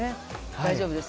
大丈夫です。